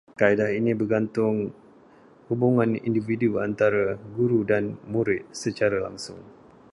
Kaedah ini bergantung hubungan individu antara guru dan murid secara langsung